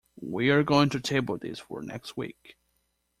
We're going to table this for next week.